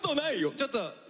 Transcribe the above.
ちょっと。